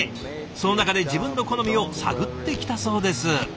その中で自分の好みを探ってきたそうです。